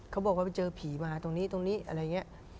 เขาบอกว่าไปเจอผีมาตรงนี้ตรงนี้อะไรอย่างนี้